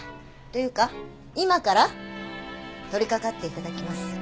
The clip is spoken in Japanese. というか今から取り掛かっていただきます。